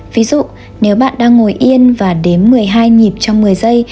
ví dụ nếu bạn đang ngồi yên và đếm một mươi hai nhịp trong một mươi giây